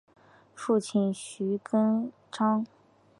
父亲涂秉彰。